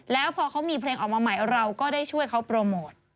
แล้วพอเขามีเพลงออกมาใหม่เราก็ได้ช่วยเขาโปรโมท